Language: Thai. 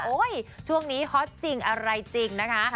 ช่วงนี้ฮอตจริงอะไรจริงนะคะ